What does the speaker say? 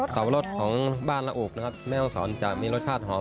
สวรรษของบ้านละอุบนะครับ